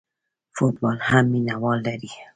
فوټبال هم مینه وال لري.